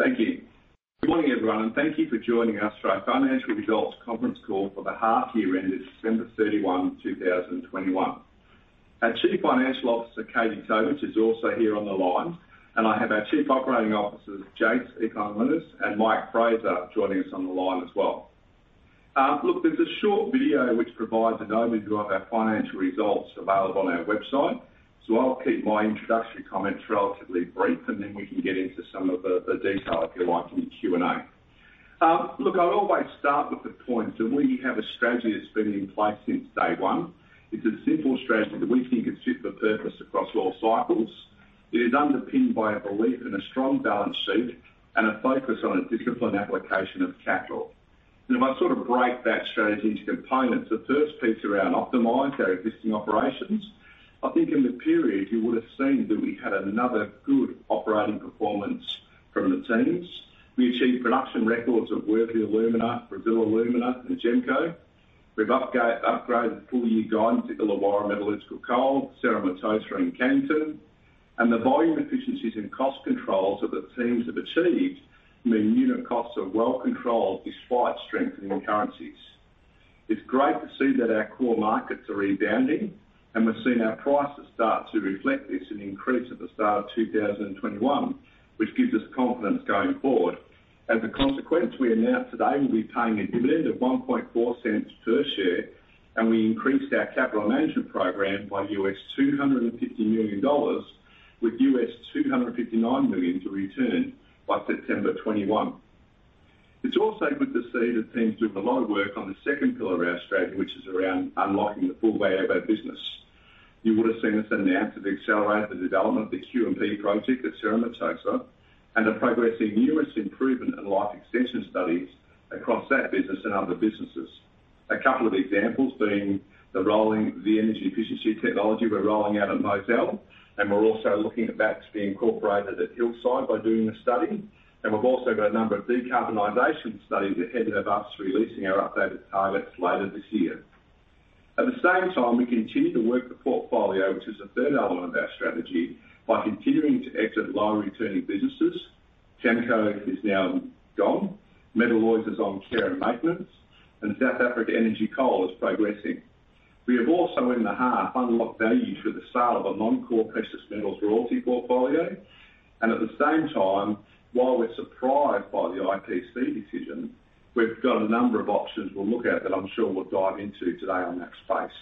Thank you. Good morning, everyone, and thank you for joining us for our Financial Results Conference Call for the half-year ended December 31, 2021. Our Chief Financial Officer, Katie Tovich, is also here on the line, and I have our Chief Operating Officers, Jason Economidis and Mike Fraser, joining us on the line as well. Look, there's a short video which provides an overview of our financial results available on our website, so I'll keep my introductory comments relatively brief, and then we can get into some of the detail, if you like, in the Q&A. Look, I'll always start with the point that we have a strategy that's been in place since day one. It's a simple strategy that we think is fit for purpose across all cycles. It is underpinned by a belief in a strong balance sheet and a focus on a disciplined application of capital. If I sort of break that strategy into components, the first piece around optimize our existing operations, I think in the period you would have seen that we had another good operating performance from the teams. We achieved production records of Worsley Alumina, Brazil Alumina, and TEMCO. We've upgraded full-year guidance at Illawarra Metallurgical Coal, Cerro Matoso, and Cannington, and the volume efficiencies and cost controls that the teams have achieved mean unit costs are well controlled despite strengthening currencies. It's great to see that our core markets are rebounding, and we've seen our prices start to reflect this in the increase at the start of 2021, which gives us confidence going forward. As a consequence, we announced today we'll be paying a dividend of $0.014 per share, and we increased our capital management program by $250 million, with $259 million to return by September 2021. It's also good to see the teams doing a lot of work on the second pillar of our strategy, which is around unlocking the full value of our business. You would have seen us announce that we accelerate the development of the Q&P project at Cerro Matoso and the progressing numerous improvement and life extension studies across that business and other businesses. A couple of examples being the rollout of the energy efficiency technology we're rolling out at Mozal, and we're also looking at that to be incorporated at Hillside by doing a study. We've also got a number of decarbonization studies ahead of us, releasing our updated targets later this year. At the same time, we continue to work the portfolio, which is the third element of our strategy, by continuing to exit low-returning businesses. TEMCO is now gone. Metalloys is on care and maintenance, and South Africa Energy Coal is progressing. We have also in the half unlocked value through the sale of a non-core precious metals royalty portfolio, and at the same time, while we're surprised by the IPC decision, we've got a number of options we'll look at that I'm sure we'll dive into today on that space.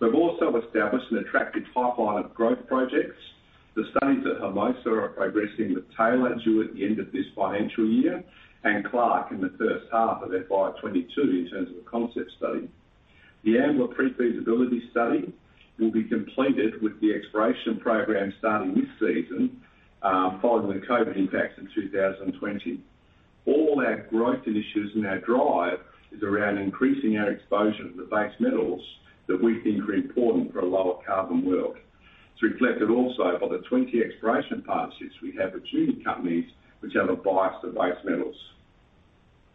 We've also established an attractive pipeline of growth projects. The studies at Hermosa are progressing with Taylor due at the end of this financial year and Clark in the first half of FY22 in terms of a concept study. The Ambler Pre-feasibility Study will be completed with the exploration program starting this season, following the COVID impacts in 2020. All our growth initiatives and our drive is around increasing our exposure to the base metals that we think are important for a lower carbon world. It's reflected also by the 20 exploration partnerships past since we have a few companies which have a bias to base metals.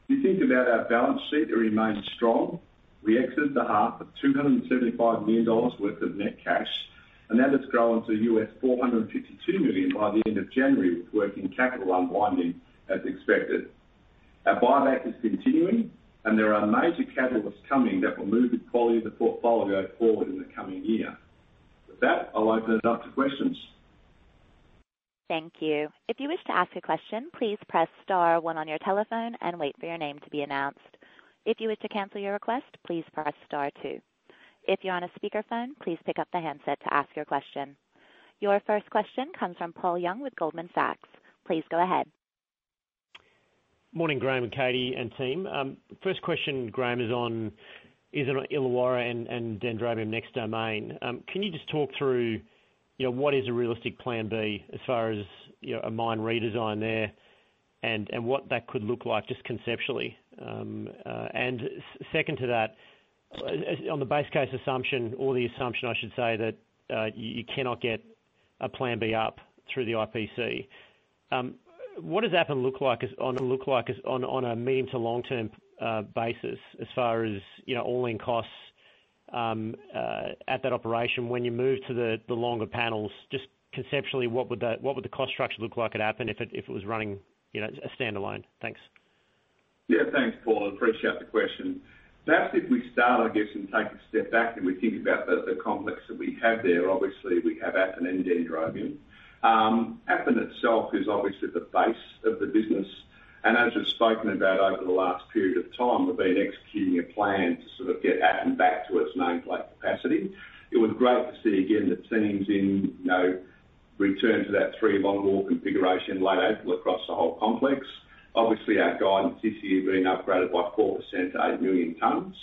If you think about our balance sheet, it remains strong. We ended the half with $275 million of net cash, and that has grown to $452 million by the end of January, with working capital unwinding as expected. Our buyback is continuing, and there are major catalysts coming that will move the quality of the portfolio forward in the coming year. With that, I'll open it up to questions. Thank you. If you wish to ask a question, please press star one on your telephone and wait for your name to be announced. If you wish to cancel your request, please press star two. If you're on a speakerphone, please pick up the handset to ask your question. Your first question comes from Paul Young with Goldman Sachs. Please go ahead. Morning, Graham, and Katie and team. First question, Graham, is on Appin, Illawarra, and Dendrobium Next Domain. Can you just talk through what is a realistic plan B as far as a mine redesign there and what that could look like just conceptually? And second to that, on the base case assumption, or the assumption, I should say, that you cannot get a plan B up through the IPC. What does that look like on a medium to long-term basis as far as all-in costs at that operation when you move to the longer panels? Just conceptually, what would the cost structure look like at Appin if it was running standalone? Thanks. Yeah, thanks, Paul. I appreciate the question. Perhaps if we start, I guess, and take a step back and we think about the complex that we have there. Obviously we have Appin and Dendrobium. Appin itself is obviously the base of the business, and as we've spoken about over the last period of time, we've been executing a plan to sort of get Appin back to its nameplate capacity. It was great to see again the teams return to that three longwall configuration late April across the whole complex. Obviously, our guidance this year has been upgraded by 4% to 8 million tons.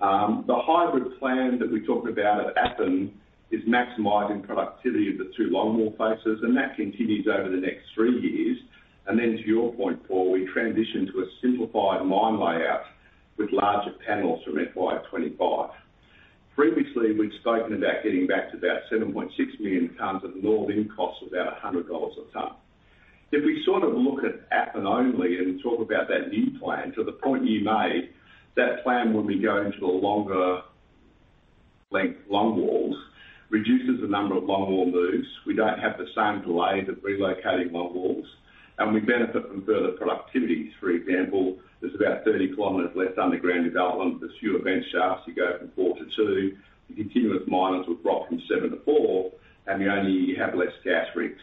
The hybrid plan that we talked about at Appin is maximizing productivity of the two longwall faces, and that continues over the next three years. And then to your point, Paul, we transitioned to a simplified mine layout with larger panels from FY25. Previously, we'd spoken about getting back to about 7.6 million tonnes of north end costs of about $100 a tonne. If we sort of look at Appin only and talk about that new plan, to the point you made, that plan, when we go into the longer length long walls, reduces the number of long wall moves. We don't have the same delay to relocating long walls, and we benefit from further productivity. For example, there's about 30 kilometers less underground development. There's fewer vent shafts. You go from four to two. You continue with continuous miners from seven to four, and you only have less gas rigs.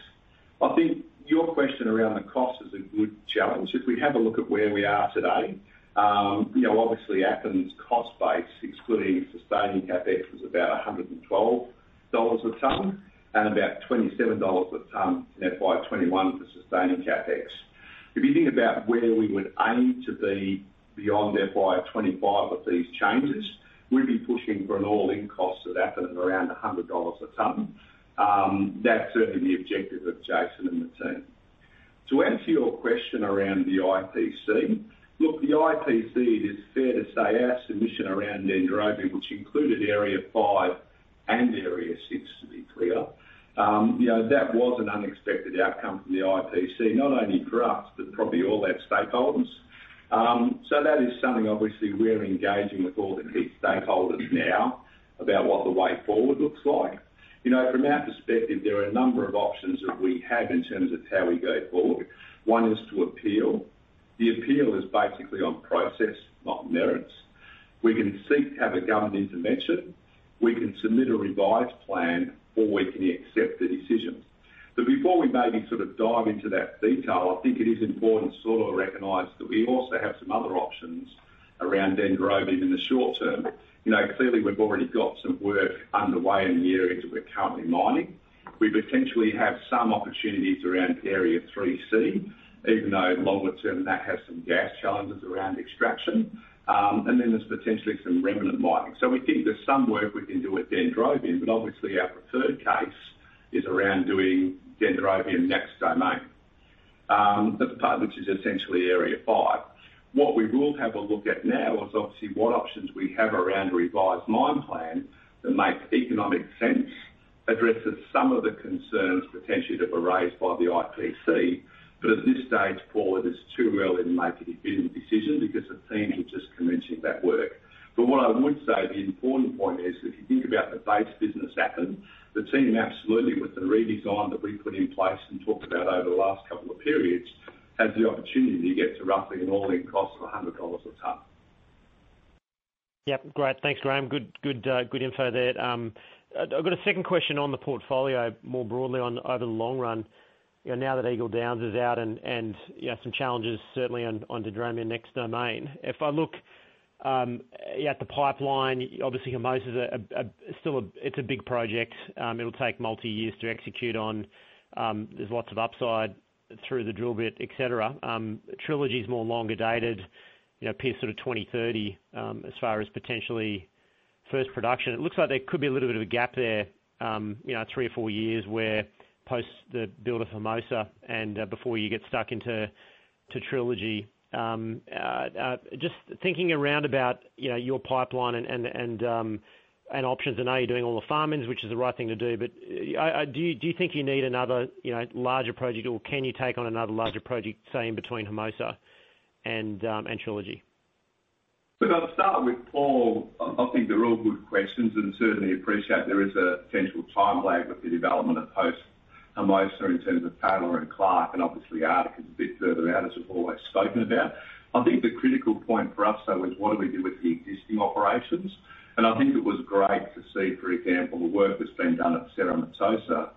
I think your question around the cost is a good challenge. If we have a look at where we are today, obviously Appin's cost base, excluding sustaining CapEx, was about $112 a tonne and about $27 a tonne in FY21 for sustaining CapEx. If you think about where we would aim to be beyond FY25 with these changes, we'd be pushing for an all-in cost at Appin of around $100 a tonne. That's certainly the objective of Jason and the team. To answer your question around the IPC, look, the IPC, it is fair to say our submission around Dendrobium, which included Area 5 and Area 6, to be clear, that was an unexpected outcome for the IPC, not only for us but probably all our stakeholders. So that is something, obviously, we're engaging with all the key stakeholders now about what the way forward looks like. From our perspective, there are a number of options that we have in terms of how we go forward. One is to appeal. The appeal is basically on process, not merits. We can seek to have a government intervention. We can submit a revised plan, or we can accept the decision. But before we maybe sort of dive into that detail, I think it is important to sort of recognize that we also have some other options around Dendrobium in the short term. Clearly, we've already got some work underway in the area that we're currently mining. We potentially have some opportunities around Area 3C, even though longer term that has some gas challenges around extraction, and then there's potentially some remnant mining. We think there's some work we can do at Dendrobium, but obviously our preferred case is around doing Dendrobium Next Domain, which is essentially Area 5. What we will have a look at now is obviously what options we have around a revised mine plan that makes economic sense, addresses some of the concerns potentially that were raised by the IPC. But at this stage, Paul, it is too early to make a definitive decision because the teams have just commenced that work. But what I would say, the important point is, if you think about the base business Appin, the team absolutely, with the redesign that we've put in place and talked about over the last couple of periods, has the opportunity to get to roughly an all-in cost of $100 a tonne. Yep, great. Thanks, Graham. Good info there. I've got a second question on the portfolio more broadly over the long run. Now that Eagle Downs is out and some challenges certainly on Dendrobium Next Domain, if I look at the pipeline, obviously Hermosa is still a big project. It'll take multi-years to execute on. There's lots of upside through the drill bit, et cetera. Trilogy is more longer dated, near sort of 2030 as far as potentially first production. It looks like there could be a little bit of a gap there, three or four years where post the build of Hermosa and before you get stuck into Trilogy. Just thinking around about your pipeline and options, I know you're doing all the farm-ins, which is the right thing to do, but do you think you need another larger project, or can you take on another larger project, say, in between Hermosa and Trilogy? I'll start with Paul. I think they're all good questions and certainly appreciate there is a potential time lag with the development of the Hermosa in terms of Taylor and Clark, and obviously Arctic is a bit further out, as we've always spoken about. I think the critical point for us, though, is what do we do with the existing operations? I think it was great to see, for example, the work that's been done at Cerro Matoso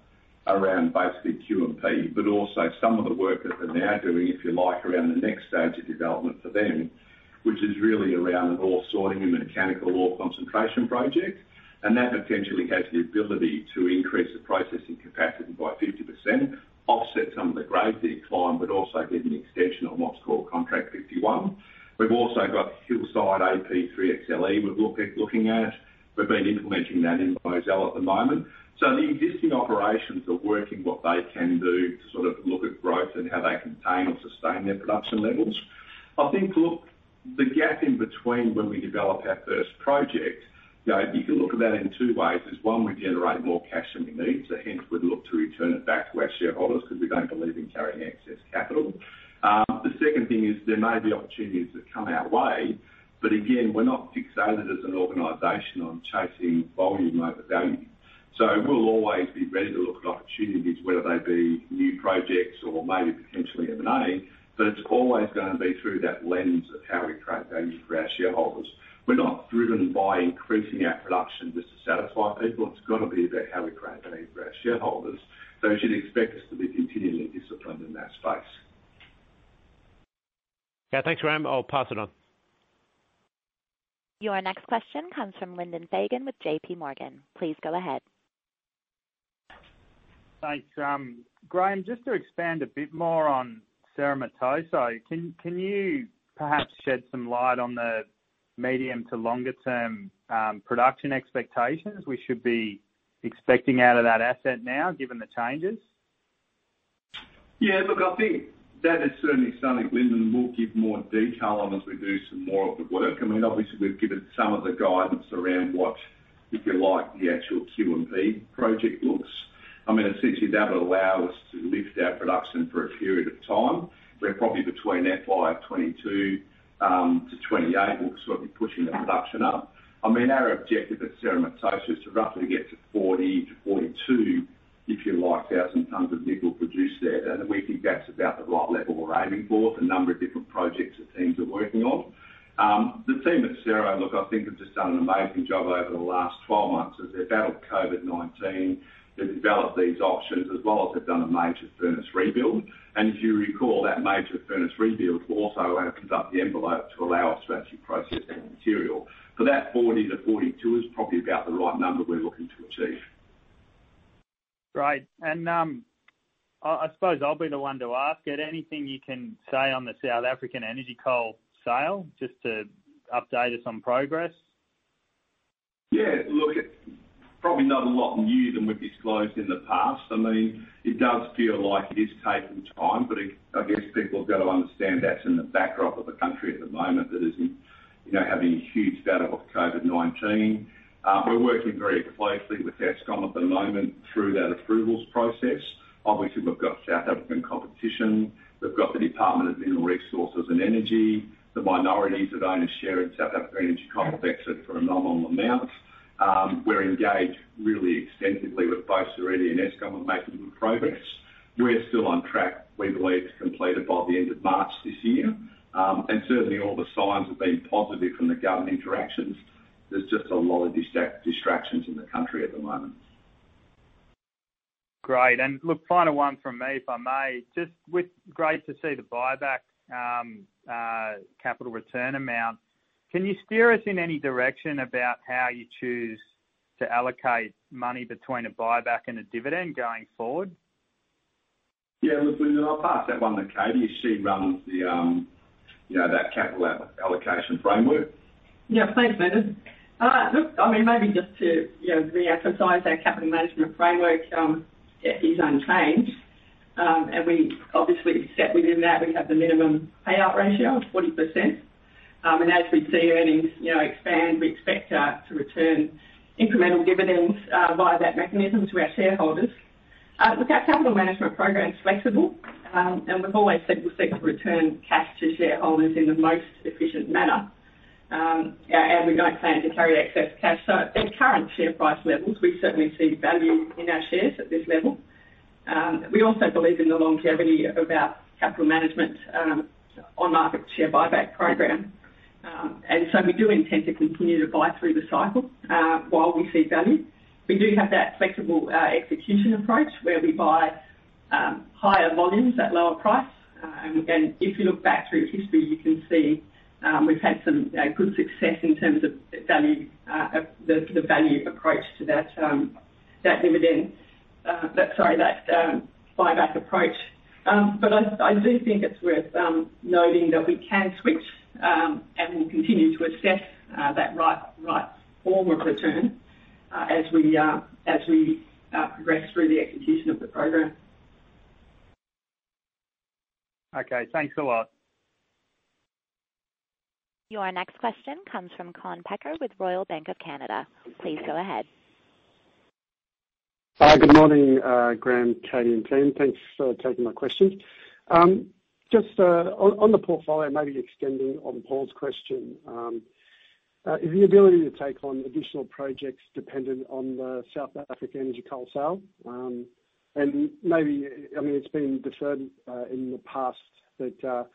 around basically QMP, but also some of the work that they're now doing, if you like, around the next stage of development for them, which is really around an ore sorting and mechanical ore concentration project. That potentially has the ability to increase the processing capacity by 50%, offset some of the grade decline, but also get an extension on what's called Contract 51. We've also got Hillside AP3XLE we're looking at. We've been implementing that in Mozal at the moment. So the existing operations are working what they can do to sort of look at growth and how they can maintain or sustain their production levels. I think, look, the gap in between when we develop our first project, you can look at that in two ways. One, we generate more cash than we need, so hence we'd look to return it back to our shareholders because we don't believe in carrying excess capital. The second thing is there may be opportunities that come our way, but again, we're not fixated as an organization on chasing volume over value. So we'll always be ready to look at opportunities, whether they be new projects or maybe potentially M&A, but it's always going to be through that lens of how we create value for our shareholders. We're not driven by increasing our production just to satisfy people. It's got to be about how we create value for our shareholders. So you should expect us to be continually disciplined in that space. Yeah, thanks, Graham. I'll pass it on. Your next question comes from Lyndon Fagan with J.P. Morgan. Please go ahead. Thanks, Graham. Just to expand a bit more on Cerro Matoso, can you perhaps shed some light on the medium to longer term production expectations we should be expecting out of that asset now, given the changes? Yeah, look, I think that is certainly something Lyndon will give more detail on as we do some more of the work. I mean, obviously, we've given some of the guidance around what, if you like, the actual QMP project looks. I mean, essentially, that would allow us to lift our production for a period of time. We're probably between FY 2022 to 2028, we'll be pushing the production up. I mean, our objective at Cerro Matoso is to roughly get to 40 to 42 thousand tonnes of nickel produced there, and we think that's about the right level we're aiming for with the number of different projects the teams are working on. The team at Cerro Matoso, look, I think have just done an amazing job over the last 12 months. As they've battled COVID-19, they've developed these options, as well as they've done a major furnace rebuild. If you recall, that major furnace rebuild also had to cut the envelope to allow us to actually process that material. For that, 40-42 is probably about the right number we're looking to achieve. Great. And I suppose I'll be the one to ask. Anything you can say on the South Africa Energy Coal sale, just to update us on progress? Yeah, look, probably not a lot new than we've disclosed in the past. I mean, it does feel like it is taking time, but I guess people have got to understand that's in the backdrop of the country at the moment that is having a huge bout of COVID-19. We're working very closely with Eskom at the moment through that approvals process. Obviously, we've got South African Competition. We've got the Department of Mineral Resources and Energy, the minorities that own a share in South Africa Energy Coal equity for a nominal amount. We're engaged really extensively with both Seriti and Eskom and making good progress. We're still on track. We believe to complete it by the end of March this year, and certainly, all the signs have been positive from the government interactions. There's just a lot of distractions in the country at the moment. Great. And look, final one from me, if I may. Just great to see the buyback capital return amount. Can you steer us in any direction about how you choose to allocate money between a buyback and a dividend going forward? Yeah, look, I'll pass that one to Katie. She runs that capital allocation framework. Yeah, thanks, David. Look, I mean, maybe just to reemphasize our capital management framework is unchanged. And we obviously set within that, we have the minimum payout ratio of 40%. And as we see earnings expand, we expect to return incremental dividends via that mechanism to our shareholders. Look, our capital management program's flexible, and we've always said we'll seek to return cash to shareholders in the most efficient manner, and we don't plan to carry excess cash. So at current share price levels, we certainly see value in our shares at this level. We also believe in the longevity of our capital management on-market share buyback program. And so we do intend to continue to buy through the cycle while we see value. We do have that flexible execution approach where we buy higher volumes at lower price. And if you look back through history, you can see we've had some good success in terms of the value approach to that dividend, sorry, that buyback approach. But I do think it's worth noting that we can switch, and we'll continue to assess that right form of return as we progress through the execution of the program. Okay, thanks a lot. Your next question comes from Kaan Peker with Royal Bank of Canada. Please go ahead. Hi, good morning, Graham, Katie, and Jason. Thanks for taking my questions. Just on the portfolio, maybe extending on Paul's question, is the ability to take on additional projects dependent on the South Africa Energy Coal sale? And maybe, I mean, it's been deferred in the past, but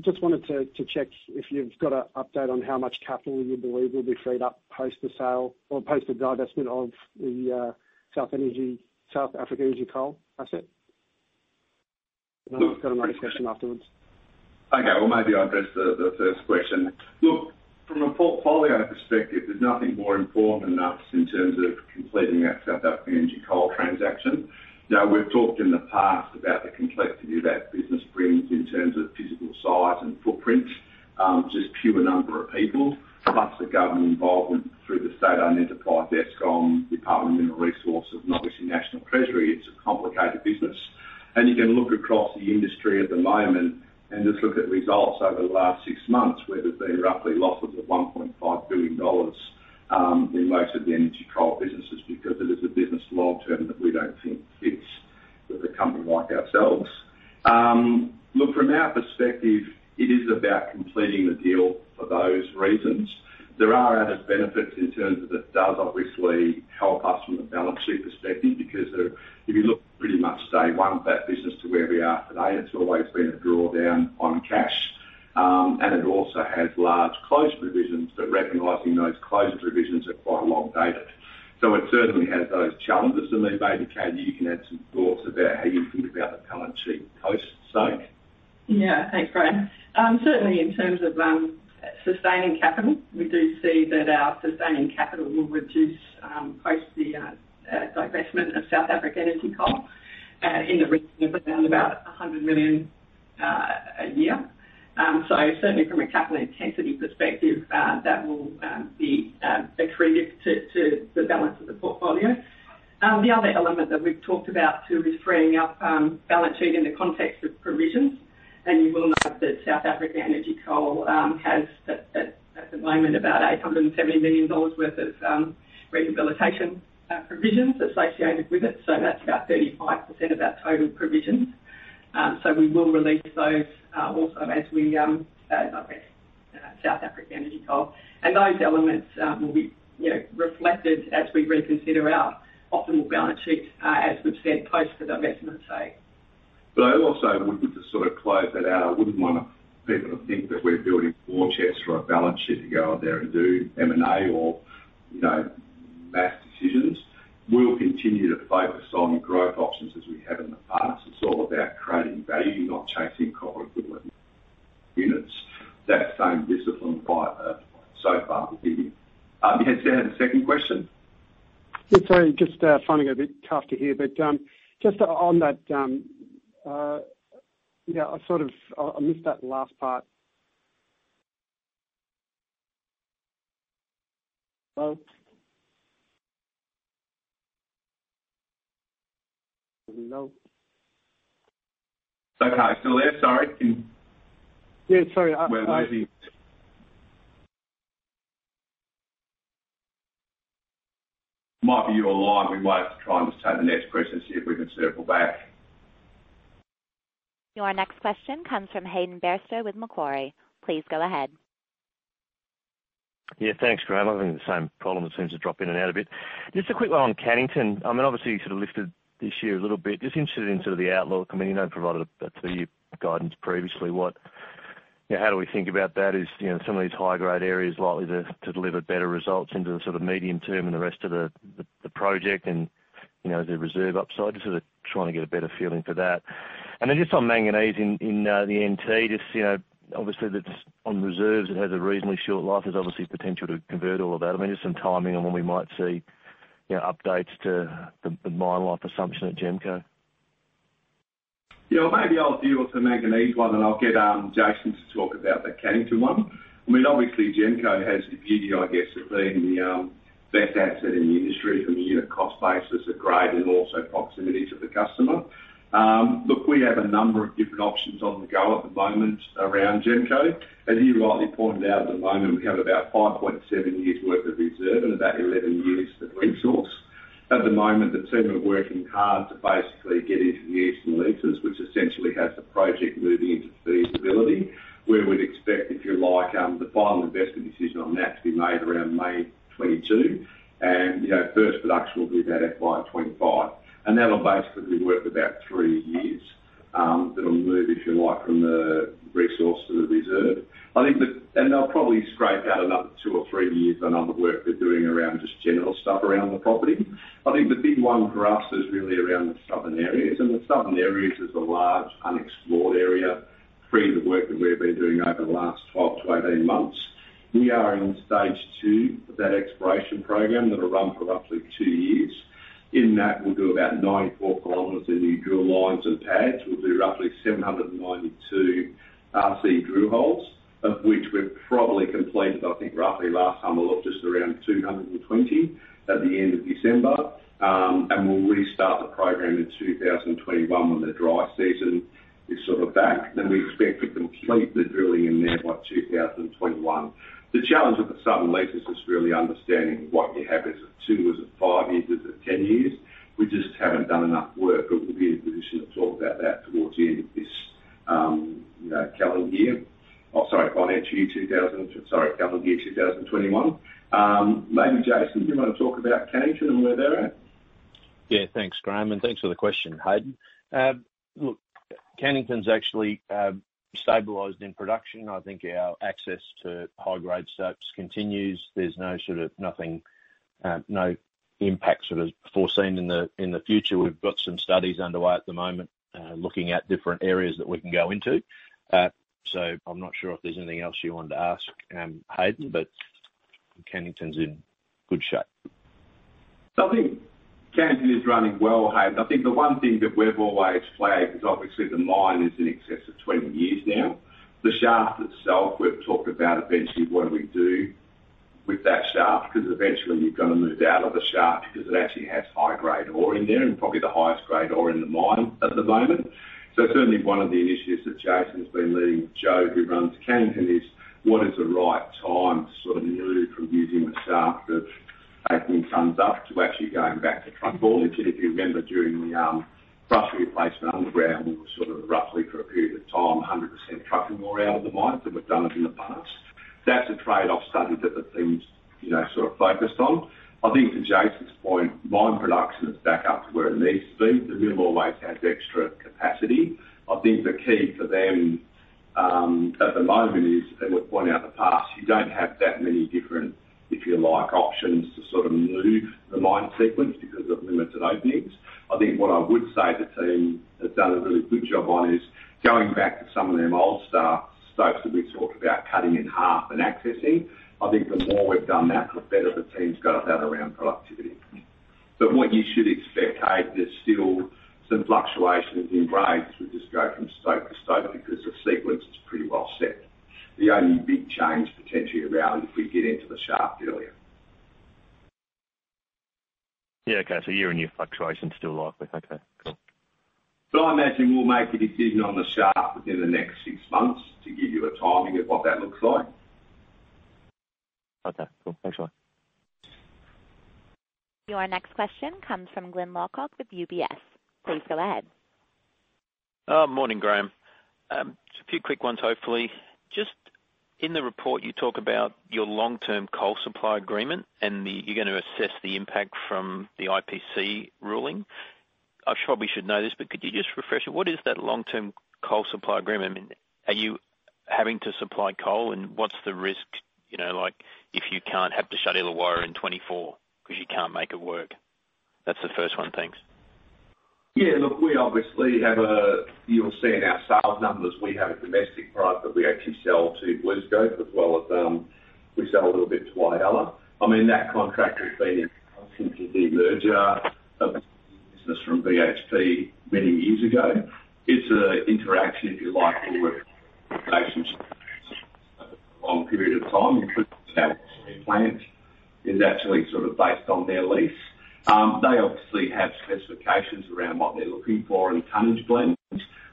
just wanted to check if you've got an update on how much capital you believe will be freed up post the sale or post the divestment of the South Africa Energy Coal asset? I've got another question afterwards. Okay, well, maybe I'll address the first question. Look, from a portfolio perspective, there's nothing more important than us in terms of completing that South African energy coal transaction. Now, we've talked in the past about the complexity that business brings in terms of physical size and footprint, just pure number of people, plus the government involvement through the state-owned enterprise, Eskom, Department of Mineral Resources, and obviously National Treasury. It's a complicated business, and you can look across the industry at the moment and just look at results over the last six months where there's been roughly losses of $1.5 billion in most of the energy coal businesses because it is a business long-term that we don't think fits with a company like ourselves. Look, from our perspective, it is about completing the deal for those reasons. There are added benefits in terms of it does obviously help us from a balance sheet perspective because if you look pretty much day one of that business to where we are today, it's always been a drawdown on cash. And it also has large closure provisions, but recognizing those closure provisions are quite long-dated. So it certainly has those challenges. And maybe, Katie, you can add some thoughts about how you think about the balance sheet post-sale. Yeah, thanks, Graham. Certainly, in terms of sustaining capital, we do see that our sustaining capital will reduce post the divestment of South Africa Energy Coal in the region of around about $100 million a year. So certainly, from a capital intensity perspective, that will be attributed to the balance of the portfolio. The other element that we've talked about too is freeing up balance sheet in the context of provisions. And you will know that South Africa Energy Coal has at the moment about $870 million worth of rehabilitation provisions associated with it. So that's about 35% of our total provisions. So we will release those also as we divest South Africa Energy Coal. And those elements will be reflected as we reconsider our optimal balance sheet, as we've said, post the divestment, say. But I also would just sort of close that out. I wouldn't want people to think that we're building war chests on the balance sheet to go and do M&A or M&A decisions. We'll continue to focus on growth options as we have in the past. It's all about creating value, not chasing coal equivalent units. That same discipline has so far been. Yeah, so, I had a second question. Sorry, just finding it a bit tough to hear, but just on that, yeah, I sort of missed that last part. Okay, still there? Sorry. Yeah, sorry. Might be you're live. We might have to try and just take the next question and see if we can circle back. Your next question comes from Hayden Bairstow with Macquarie. Please go ahead. Yeah, thanks, Graham. I'm having the same problem. It seems to drop in and out a bit. Just a quick one on Cannington. I mean, obviously, you sort of lifted this year a little bit. Just interested in sort of the outlook. I mean, you know, provided a few guidance previously. What, yeah, how do we think about that? Is some of these high-grade areas likely to deliver better results into the sort of medium term and the rest of the project and the reserve upside? Just sort of trying to get a better feeling for that. And then just on manganese in the NT, just obviously, that on reserves, it has a reasonably short life. There's obviously potential to convert all of that. I mean, just some timing on when we might see updates to the mine life assumption at GEMCO. Yeah, maybe I'll deal with the manganese one and I'll get Jason to talk about the Cannington one. I mean, obviously, Gemco has the beauty, I guess, of being the best asset in the industry from a unit cost basis, a grade, and also proximity to the customer. Look, we have a number of different options on the go at the moment around Gemco. As you rightly pointed out, at the moment, we have about 5.7 years' worth of reserve and about 11 years of resource. At the moment, the team are working hard to basically get into the eastern leases, which essentially has the project moving into feasibility, where we'd expect, if you like, the final investment decision on that to be made around May 2022. And first production will be about FY25. That'll basically work about three years that'll move, if you like, from the resource to the reserve. I think that, and they'll probably scrape out another two or three years on other work they're doing around just general stuff around the property. I think the big one for us is really around the southern areas. The southern areas is a large, unexplored area, free of the work that we've been doing over the last 12 to 18 months. We are in stage two of that exploration program that'll run for roughly two years. In that, we'll do about 94 km in new drill lines and pads. We'll do roughly 792 RC drill holes, of which we've probably completed, I think, roughly last time, we'll look just around 220 at the end of December. We'll restart the program in 2021 when the dry season is sort of back. Then we expect to complete the drilling in there by 2021. The challenge with the southern leases is really understanding what you have: is it two, is it five, is it ten years? We just haven't done enough work, but we'll be in a position to talk about that towards the end of this calendar year, or sorry, financial year 2000, sorry, calendar year 2021. Maybe Jason, do you want to talk about Cannington and where they're at? Yeah, thanks, Graham. And thanks for the question, Hayden. Look, Cannington's actually stabilized in production. I think our access to high-grade stopes continues. There's no sort of nothing, no impacts that are foreseen in the future. We've got some studies underway at the moment looking at different areas that we can go into. So I'm not sure if there's anything else you wanted to ask, Hayden, but Cannington's in good shape. I think Cannington is running well, Hayden. I think the one thing that we've always flagged is obviously the mine is in excess of 20 years now. The shaft itself, we've talked about eventually what do we do with that shaft because eventually you've got to move out of the shaft because it actually has high-grade ore in there and probably the highest grade ore in the mine at the moment. So certainly one of the initiatives that Jason's been leading, Joe, who runs Cannington, is what is the right time to sort of move from using the shaft for taking tons up to actually going back to truck haulage. And if you remember during the truck replacement underground, we were sort of roughly for a period of time 100% trucking ore out of the mine, so we've done it in the past. That's a trade-off study that the team's sort of focused on. I think to Jason's point, mine production is back up to where it needs to be. The mill always has extra capacity. I think the key for them at the moment is, and we've pointed out in the past, you don't have that many different, if you like, options to sort of move the mine sequence because of limited openings. I think what I would say the team has done a really good job on is going back to some of them old stuff, stopes that we've talked about cutting in half and accessing. I think the more we've done that, the better the team's got at that around productivity. But what you should expect, Hayden, there's still some fluctuations in grades as we just go from stope to stope because the sequence is pretty well set. The only big change potentially around if we get into the shaft earlier. Yeah, okay. So year-on-year fluctuation still likely. Okay, cool. So I imagine we'll make a decision on the shaft within the next six months to give you a timing of what that looks like. Okay, cool. Thanks, Graham. Your next question comes from Glyn Lawcock with UBS. Please go ahead. Morning, Graham. Just a few quick ones, hopefully. Just in the report, you talk about your long-term coal supply agreement and you're going to assess the impact from the IPC ruling. I probably should know this, but could you just refresh it? What is that long-term coal supply agreement? I mean, are you having to supply coal and what's the risk if you can't have to shut Illawarra in 2024 because you can't make it work? That's the first one. Thanks. Yeah, look, we obviously have a, you'll see in our sales numbers, we have a domestic product that we actually sell to BlueScope as well as we sell a little bit to Whyalla. I mean, that contract has been in place since the demerger of the business from BHP many years ago. It's an interaction, if you like, with relationships over a long period of time. We put in our plant. It's actually sort of based on their lease. They obviously have specifications around what they're looking for in tonnage blends.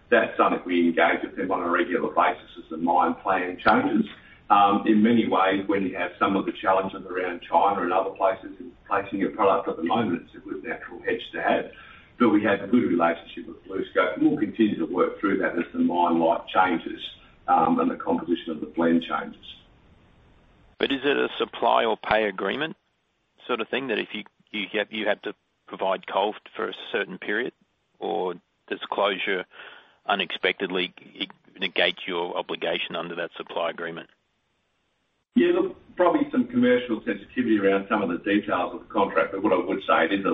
That's something we engage with them on a regular basis as the mine plan changes. In many ways, when you have some of the challenges around China and other places in placing your product at the moment, it's a good natural hedge to have. But we have a good relationship with BlueScope. We'll continue to work through that as the mine life changes and the composition of the blend changes. But is it a supply or pay agreement sort of thing that if you have to provide coal for a certain period, or does closure unexpectedly negate your obligation under that supply agreement? Yeah, look, probably some commercial sensitivity around some of the details of the contract. But what I would say is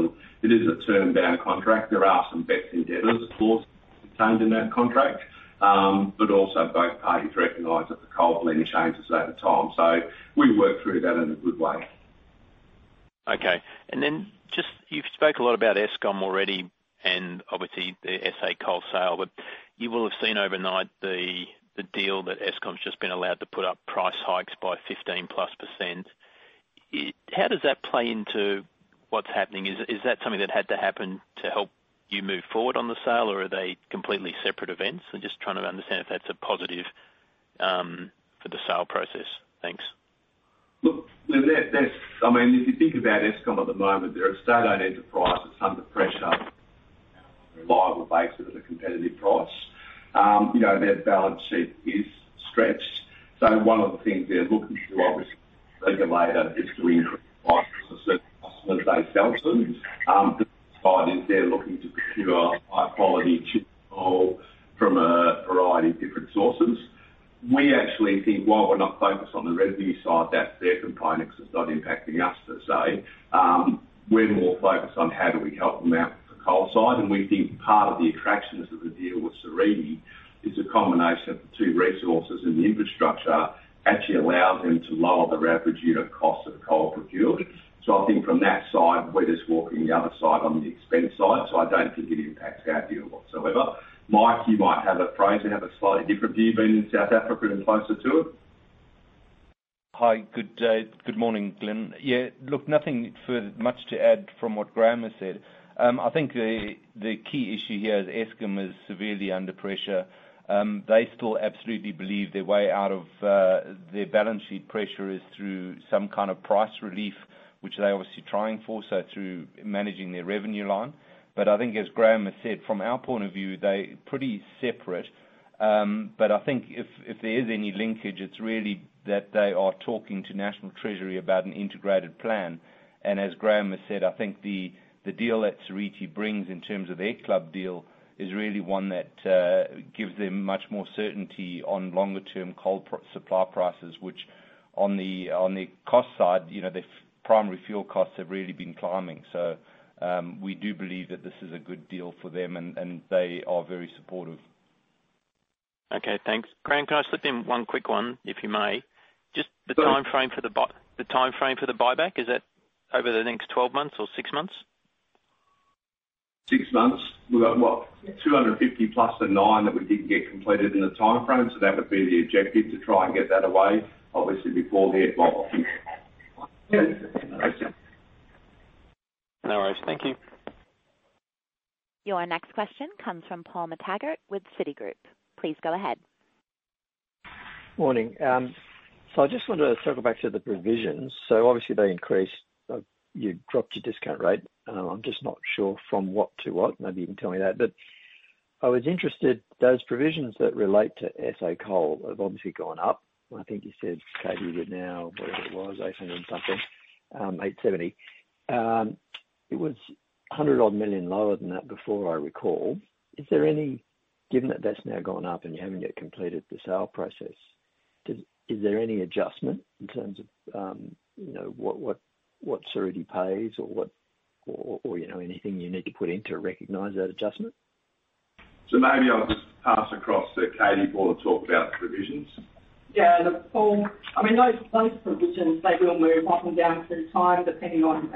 it is a turned-down contract. There are some best endeavors clauses contained in that contract, but also both parties recognize that the coal blend changes over time. So we work through that in a good way. Okay. And then just you've spoke a lot about Eskom already and obviously the SA Coal Sale, but you will have seen overnight the deal that Eskom's just been allowed to put up price hikes by 15% plus. How does that play into what's happening? Is that something that had to happen to help you move forward on the sale, or are they completely separate events? I'm just trying to understand if that's a positive for the sale process. Thanks. Look, I mean, if you think about Eskom at the moment, they're a state-owned enterprise with some of the pressure on reliable baseload at a competitive price. Their balance sheet is stretched. So one of the things they're looking to do, obviously, is to increase the prices for certain customers they sell to. The other side is they're looking to procure high-quality cheap coal from a variety of different sources. We actually think, while we're not focused on the revenue side, that's their complaint, so it's not impacting us, per se. We're more focused on how do we help them out with the coal side. We think part of the attraction of the deal with Seriti is a combination of the two resources and the infrastructure actually allows them to lower their average unit cost of coal procured. I think from that side, we're just watching the other side on the expense side, so I don't think it impacts our deal whatsoever. Mike, you might have a phrase and have a slightly different view being in South Africa and closer to it. Hi, good morning, Glynn. Yeah, look, nothing much to add from what Graham has said. I think the key issue here is Eskom is severely under pressure. They still absolutely believe their way out of their balance sheet pressure is through some kind of price relief, which they're obviously trying for, so through managing their revenue line. But I think, as Graham has said, from our point of view, they're pretty separate. But I think if there is any linkage, it's really that they are talking to National Treasury about an integrated plan. And as Graham has said, I think the deal that Seriti brings in terms of their club deal is really one that gives them much more certainty on longer-term coal supply prices, which on the cost side, their primary fuel costs have really been climbing. So we do believe that this is a good deal for them, and they are very supportive. Okay, thanks. Graham, can I slip in one quick one, if you may? Just the timeframe for the buyback, is that over the next 12 months or six months? Six months. We've got what, 250 plus the nine that we didn't get completed in the timeframe, so that would be the objective to try and get that away, obviously, before the blackout. No worries. Thank you. Your next question comes from Paul McTaggart with Citigroup. Please go ahead. Morning. So I just want to circle back to the provisions. So obviously, they increased. You dropped your discount rate. I'm just not sure from what to what. Maybe you can tell me that. But I was interested, those provisions that relate to SA Coal have obviously gone up. I think you said it is now, whatever it was, 800 and something, 870. It was 100-odd million lower than that before, I recall. Is there any, given that that's now gone up and you haven't yet completed the sale process, is there any adjustment in terms of what Seriti pays or anything you need to put in to recognise that adjustment? Maybe I'll just pass across to Katie Tovich to talk about the provisions. Yeah, look, Paul, I mean, those provisions, they will move up and down through time depending on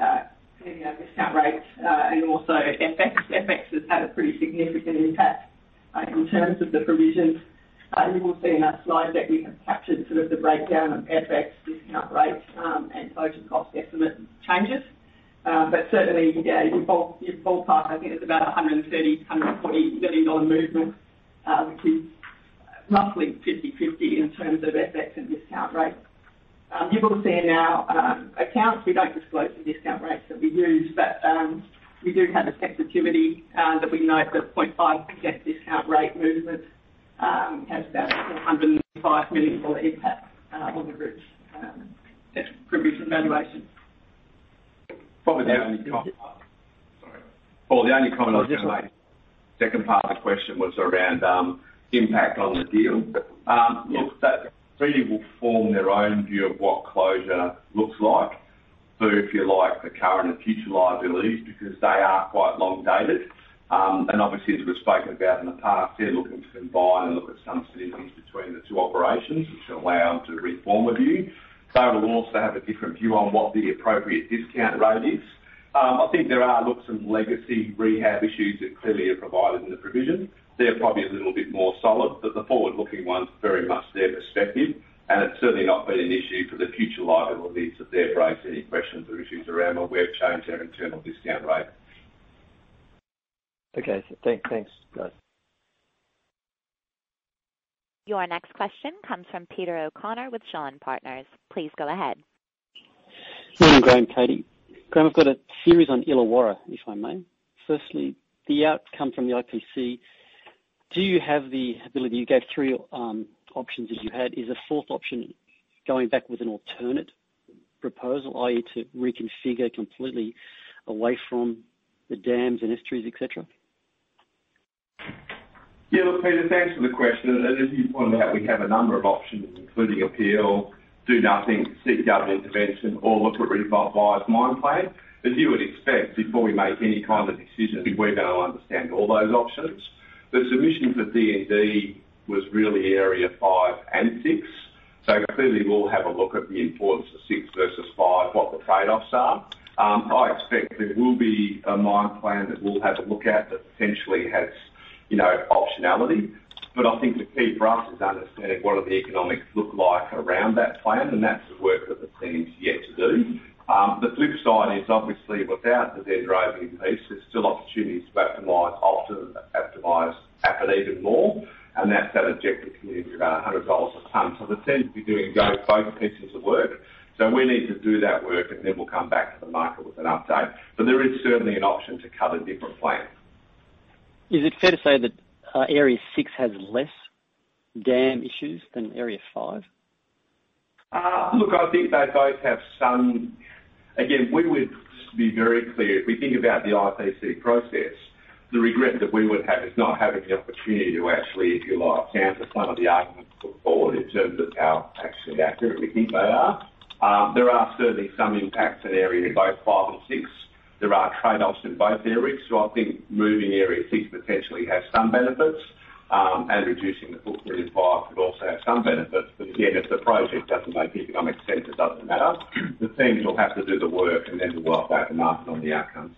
discount rates. And also, FX has had a pretty significant impact in terms of the provisions. You will see in that slide that we have captured sort of the breakdown of FX discount rate and total cost estimate changes. But certainly, your ballpark, I think, is about a $130-$140 million movement, which is roughly 50/50 in terms of FX and discount rate. You will see in our accounts, we don't disclose the discount rates that we use, but we do have a sensitivity that we note that 0.5% discount rate movement has about a $405 million impact on the group's provision valuation. Probably the only comment I'll just make. Second part of the question was around impact on the deal. Look, Seriti will form their own view of what closure looks like, so if you like, the current and future liabilities, because they are quite long-dated, and obviously, as we've spoken about in the past, they're looking to combine and look at some synergies between the two operations, which will allow them to reform a view, so we'll also have a different view on what the appropriate discount rate is. I think there are, look, some legacy rehab issues that clearly are provided in the provision. They're probably a little bit more solid, but the forward-looking one's very much their perspective, and it's certainly not been an issue for the future liabilities that they've raised any questions or issues around where we've changed our internal discount rate. Okay. Thanks. Your next question comes from Peter O'Connor with Shaw and Partners. Please go ahead. Morning, Graham. Katie. Graham, I've got a series on Illawarra, if I may. Firstly, the outcome from the IPC, do you have the ability—you gave three options that you had—is the fourth option going back with an alternate proposal, i.e., to reconfigure completely away from the dams and estuaries, etc.? Yeah, look, Peter, thanks for the question. And as you pointed out, we have a number of options, including appeal, do nothing, seek government intervention, or look at rebuilding the mine plan. As you would expect, before we make any kind of decision, we're going to understand all those options. The submissions at Dendrobium was really Area 5 and 6. So clearly, we'll have a look at the importance of 6 versus 5, what the trade-offs are. I expect there will be a mine plan that we'll have a look at that potentially has optionality. But I think the key for us is understanding what do the economics look like around that plan, and that's the work that the team's yet to do. The flip side is, obviously, without the Dendrobium piece, there's still opportunities to optimize that even more. And that's the objective come in at around $100 a tonne. So the team will be doing both pieces of work. So we need to do that work, and then we'll come back to the market with an update. But there is certainly an option to cover different plans. Is it fair to say that Area 6 has less dam issues than Area 5? Look, I think they both have some. Again, we would just be very clear. If we think about the IPC process, the regret that we would have is not having the opportunity to actually, if you like, answer some of the arguments put forward in terms of how actually accurate we think they are. There are certainly some impacts in areas both 5 and 6. There are trade-offs in both areas. So I think moving Area 6 potentially has some benefits, and reducing the footprint in 5 could also have some benefits. But again, if the project doesn't make economic sense, it doesn't matter. The teams will have to do the work, and then we'll work out the market on the outcomes.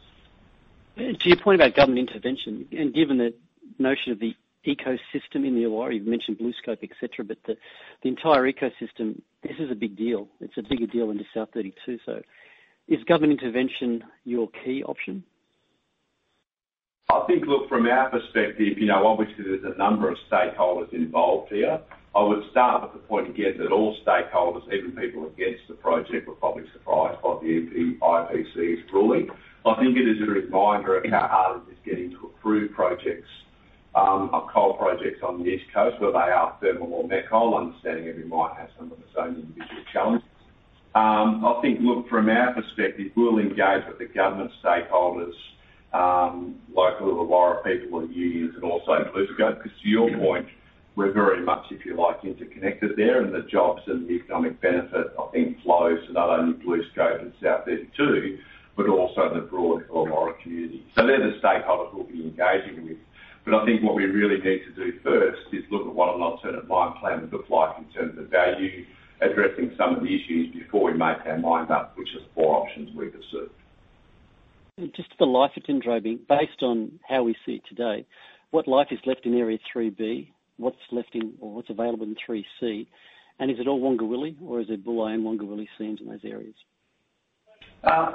To your point about government intervention, and given the notion of the ecosystem in Illawarra, you've mentioned BlueScope, etc., but the entire ecosystem, this is a big deal. It's a bigger deal into South32. So is government intervention your key option? I think, look, from our perspective, obviously, there's a number of stakeholders involved here. I would start with the point again that all stakeholders, even people against the project, were probably surprised by the IPC's ruling. I think it is a reminder of how hard it is getting to approve projects, coal projects on the East Coast, whether they are thermal or met coal, understanding every mine has some of its own individual challenges. I think, look, from our perspective, we'll engage with the government stakeholders, local Illawarra people, and unions, and also BlueScope. Because to your point, we're very much, if you like, interconnected there, and the jobs and the economic benefit, I think, flows to not only BlueScope and South32, but also the broader Illawarra community. So they're the stakeholders we'll be engaging with. But I think what we really need to do first is look at what an alternate mine plan would look like in terms of value, addressing some of the issues before we make our mind up, which are the four options we've assumed. Just for the life at Dendrobium, based on how we see it today, what life is left in Area 3B? What's left in or what's available in Area 3C? And is it all Wongawilli, or is it Bulli and Wongawilli seams in those areas?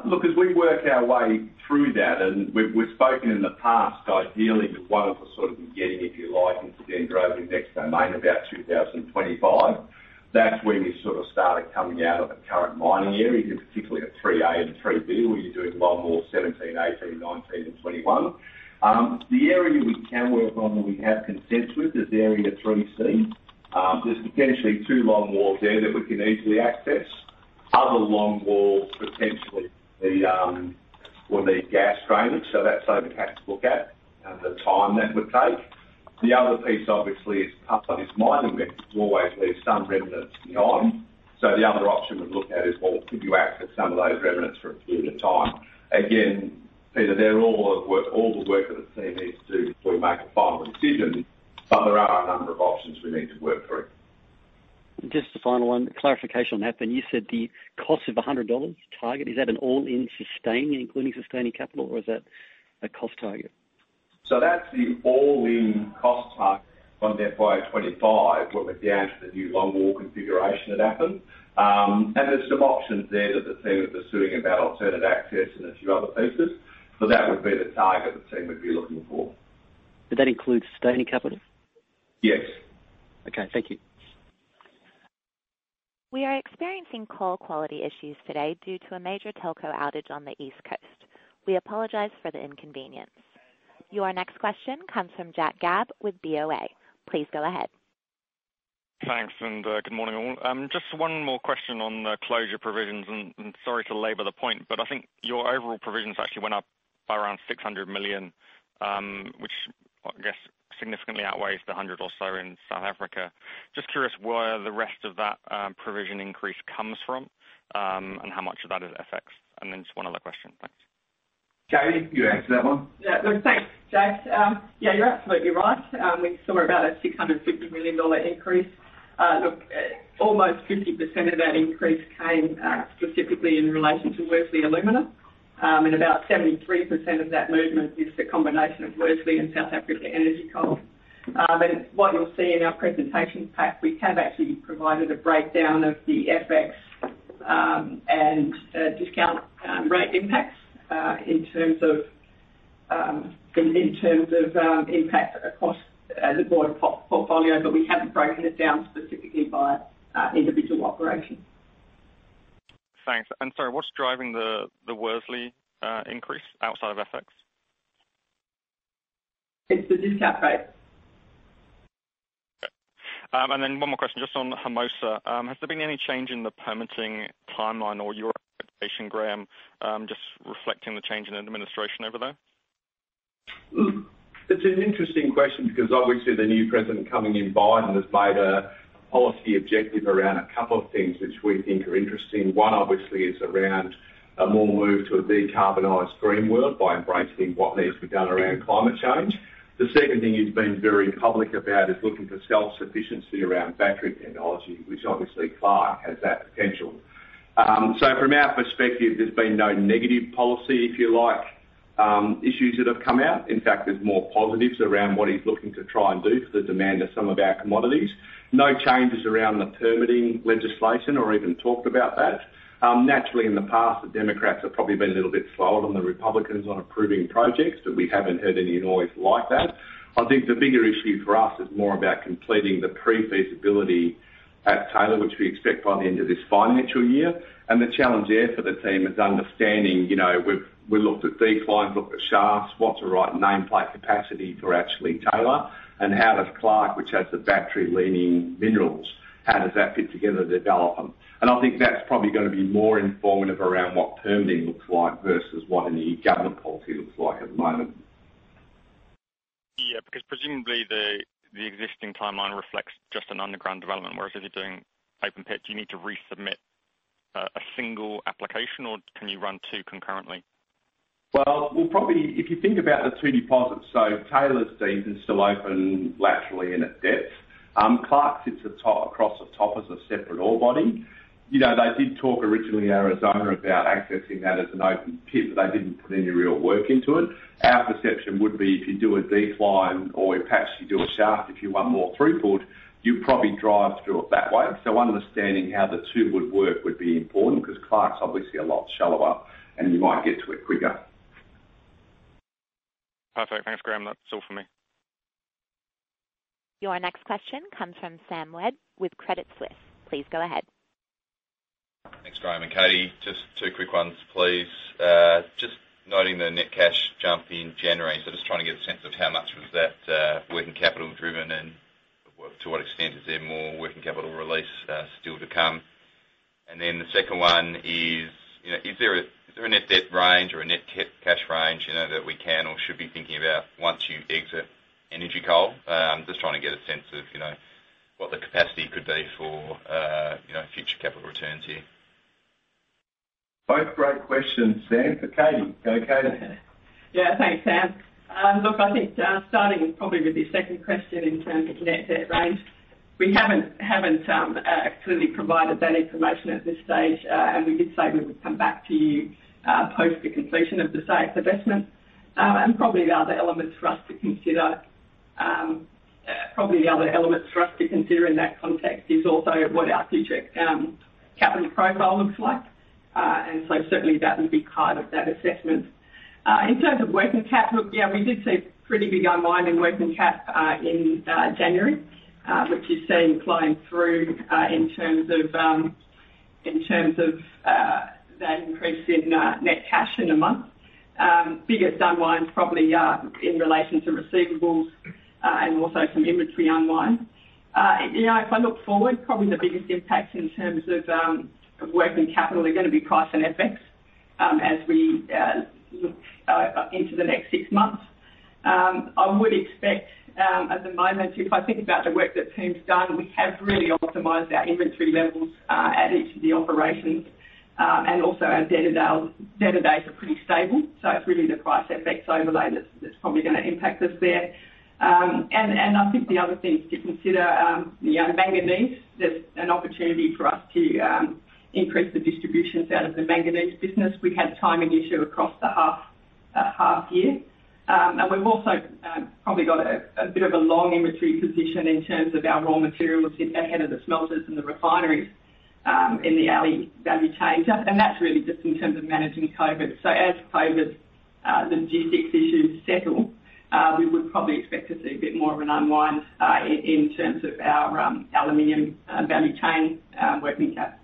Look, as we work our way through that, and we've spoken in the past, ideally, we want to sort of be getting, if you like, into Dendrobium Next Domain about 2025. That's when you're sort of starting coming out of the current mining area, particularly at 3A and 3B, where you're doing longwall 17, 18, 19, and 21. The area we can work on that we have consents with is Area 3C. There's potentially two longwalls there that we can easily access. Other longwalls, potentially, will need gas drainage, so that's something we have to look at and the time that would take. The other piece, obviously, is part of this mining mix will always leave some remnants behind. So the other option we'd look at is, well, could you access some of those remnants for a period of time? Again, Peter, there's all the work that the team needs to do before we make a final decision, but there are a number of options we need to work through. Just a final one, clarification on that. Then you said the cost of $100 target, is that an all-in sustaining, including sustaining capital, or is that a cost target? That's the all-in cost target from 2025, what we've got down to the new Longwall configuration at Appin. And there's some options there that the team are pursuing about alternate access and a few other pieces. But that would be the target the team would be looking for. But that includes sustaining capital? Yes. Okay. Thank you. We are experiencing coal quality issues today due to a major telco outage on the East Coast. We apologize for the inconvenience. Your next question comes from Jack Gabb with BOA. Please go ahead. Thanks, and good morning all. Just one more question on the closure provisions, and sorry to labor the point, but I think your overall provisions actually went up by around $600 million, which, I guess, significantly outweighs the $100 or so in South Africa. Just curious where the rest of that provision increase comes from and how much of that is FX. And then just one other question. Thanks. Katie, can you answer that one? Yeah. Thanks, James. Yeah, you're absolutely right. We saw about a $650 million increase. Look, almost 50% of that increase came specifically in relation to Worsley Alumina. And about 73% of that movement is a combination of Worsley Alumina and South Africa Energy Coal. And what you'll see in our presentation pack, we have actually provided a breakdown of the FX and discount rate impacts in terms of impact across the broader portfolio, but we haven't broken it down specifically by individual operation. Thanks. And sorry, what's driving the Worsley increase outside of FX? It's the discount rate. Okay. And then one more question, just on Hermosa. Has there been any change in the permitting timeline or your expectation, Graham, just reflecting the change in administration over there? It's an interesting question because, obviously, the new president coming in, Biden, has made a policy objective around a couple of things which we think are interesting. One, obviously, is around a more move to a decarbonized green world by embracing what needs to be done around climate change. The second thing he's been very public about is looking for self-sufficiency around battery technology, which obviously Clark has that potential. So from our perspective, there's been no negative policy, if you like, issues that have come out. In fact, there's more positives around what he's looking to try and do for the demand of some of our commodities. No changes around the permitting legislation or even talked about that. Naturally, in the past, the Democrats have probably been a little bit slower than the Republicans on approving projects, but we haven't heard any noise like that. I think the bigger issue for us is more about completing the pre-feasibility at Taylor, which we expect by the end of this financial year. And the challenge there for the team is understanding we've looked at declines, looked at shafts, what's the right nameplate capacity for actually Taylor, and how does Clark, which has the battery-leading minerals, how does that fit together to develop them? And I think that's probably going to be more informative around what permitting looks like versus what any government policy looks like at the moment. Yeah, because presumably the existing timeline reflects just an underground development, whereas if you're doing open pits, you need to resubmit a single application, or can you run two concurrently? If you think about the two deposits, so Taylor's deep and still open laterally and at depth. Clark sits across the top as a separate ore body. They did talk originally in Arizona about accessing that as an open pit, but they didn't put any real work into it. Our perception would be if you do a decline or perhaps you do a shaft if you want more throughput, you probably drive through it that way. Understanding how the two would work would be important because Clark's obviously a lot shallower, and you might get to it quicker. Perfect. Thanks, Graham. That's all for me. Your next question comes from Sam Webb with Credit Suisse. Please go ahead. Thanks, Graham. And Katie, just two quick ones, please. Just noting the net cash jump in January, so just trying to get a sense of how much was that working capital driven, and to what extent is there more working capital release still to come? And then the second one is, is there a net debt range or a net cash range that we can or should be thinking about once you exit energy coal? Just trying to get a sense of what the capacity could be for future capital returns here. Both great questions, Sam. Katie, go Katie. Yeah. Thanks, Sam. Look, I think starting probably with your second question in terms of net debt range, we haven't clearly provided that information at this stage, and we did say we would come back to you post the completion of the SAEC divestment. And probably the other elements for us to consider in that context is also what our future capital profile looks like. And so certainly that would be part of that assessment. In terms of working cap, look, yeah, we did see pretty big unwind in working cap in January, which you've seen playing through in terms of that increase in net cash in a month. Biggest unwinds probably in relation to receivables and also some inventory unwind. If I look forward, probably the biggest impact in terms of working capital are going to be price and FX as we look into the next six months. I would expect at the moment, if I think about the work that team's done, we have really optimized our inventory levels at each of the operations, and also our debtor days are pretty stable. So it's really the price FX overlay that's probably going to impact us there. And I think the other things to consider, manganese, there's an opportunity for us to increase the distributions out of the manganese business. We've had timing issues across the half year. And we've also probably got a bit of a long inventory position in terms of our raw materials ahead of the smelters and the refineries in the alloy value chain. And that's really just in terms of managing COVID. So as COVID logistics issues settle, we would probably expect to see a bit more of an unwind in terms of our aluminium value chain working cap.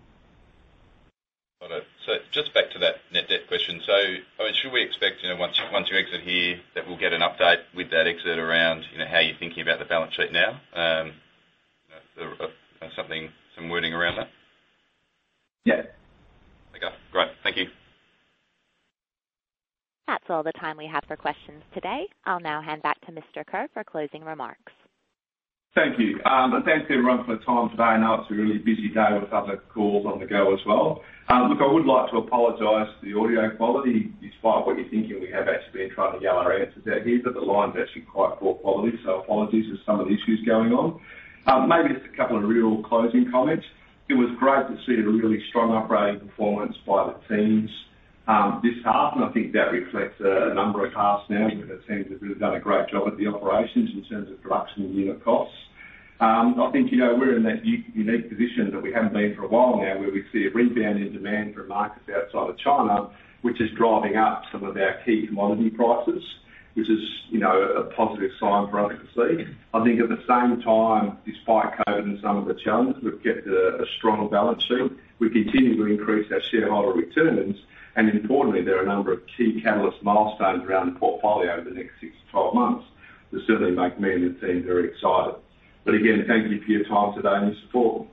Got it. So just back to that net debt question. So should we expect once you exit here that we'll get an update with that exit around how you're thinking about the balance sheet now? Something, some wording around that? Yeah. Okay. Great. Thank you. That's all the time we have for questions today. I'll now hand back to Mr. Kerr for closing remarks. Thank you. Thanks everyone for the time today. I know it's a really busy day with other calls on the go as well. Look, I would like to apologize for the audio quality. Despite what you're thinking, we have actually been trying to yell our answers out here, but the line's actually quite poor quality. So apologies for some of the issues going on. Maybe just a couple of real closing comments. It was great to see a really strong operating performance by the teams this half, and I think that reflects a number of halves now where the teams have really done a great job at the operations in terms of production unit costs. I think we're in that unique position that we haven't been for a while now where we see a rebound in demand from markets outside of China, which is driving up some of our key commodity prices, which is a positive sign for us to see. I think at the same time, despite COVID and some of the challenges, we've kept a strong balance sheet. We continue to increase our shareholder returns, and importantly, there are a number of key catalyst milestones around the portfolio over the next 6 to 12 months that certainly make me and the team very excited. But again, thank you for your time today and your support.